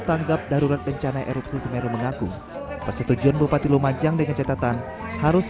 tanggap darurat bencana erupsi semeru mengaku persetujuan bupati lumajang dengan catatan harus